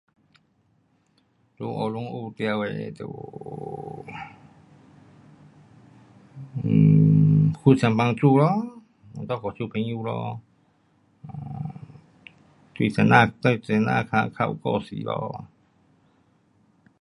在学堂学到的就有，呃，互相帮助咯，想办法做朋友咯。um 对先生，待先生较有教势咯。